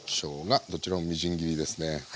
どちらもみじん切りですね。